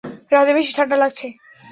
রাতে বেশি ঠান্ডা লাগছে।